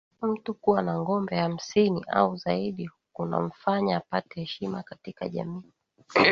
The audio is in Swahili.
mtu Kuwa na ngombe hamsini au zaidi kunamfanya apate heshima katika jamii